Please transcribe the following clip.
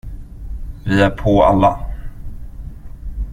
Vi är på alla!